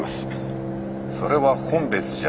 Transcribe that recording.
それは本別じゃない。